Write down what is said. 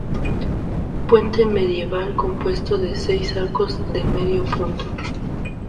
Puente medieval compuesto de seis arcos de medio punto.